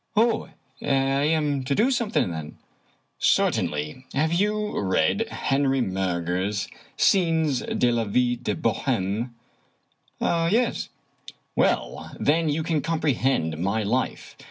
" Oh, I am to do something, then ?"" Certainly. Have you read Henri Murger's Schies de la Vie de Bohime?'' " Yes." " Well, then, you can comprehend my life.